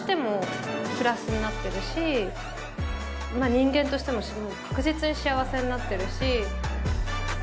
人間としても確実に幸せになってるし。